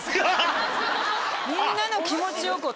みんなの気持ちを。